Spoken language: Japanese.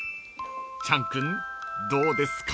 ［チャン君どうですか？］